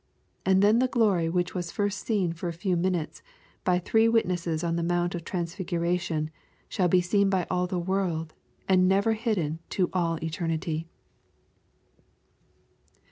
And then the glory which was first seen for a few minutes, by three witnesses on the Mount of Transfiguration, shall be seen by all the world, and never hidden to all eternity.